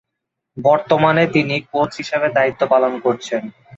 বর্তমানে তিনি কোচ হিসেবে দায়িত্ব পালন করছেন।